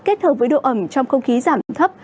kết hợp với độ ẩm trong không khí giảm thấp